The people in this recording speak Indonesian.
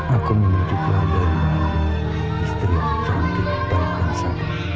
aku menunjuk ke adanya istri yang cantik dari bangsa